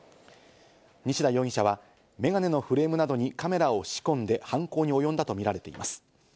西田容疑者はメガネのフレームなどにカメラを仕込んで犯行におよんだとみられています。